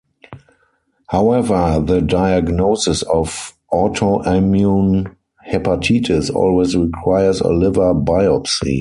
However, the diagnosis of autoimmune hepatitis always requires a liver biopsy.